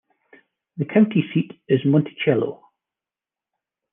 The county seat is Monticello.